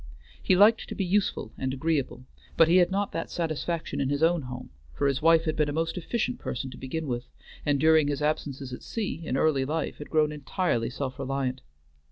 He liked to be useful and agreeable, but he had not that satisfaction in his own home, for his wife had been a most efficient person to begin with, and during his absences at sea in early life had grown entirely self reliant.